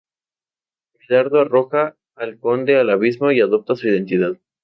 Medardo arroja al conde al abismo y adopta su identidad.